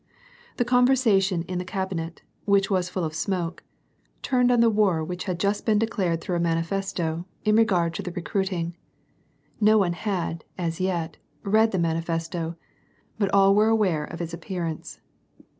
The conversation in the cabinet, which was full of smoke, turned on the war which had just been declared through a man ifesto in regard to the recruiting. No one had, as yet, read the manifesto, but all were aware of its appearance.